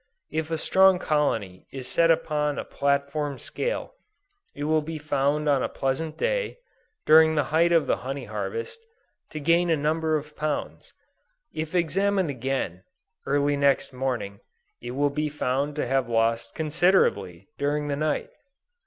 If a strong colony is set upon a platform scale, it will be found on a pleasant day, during the height of the honey harvest, to gain a number of pounds; if examined again, early next morning, it will be found to have lost considerably, during the night.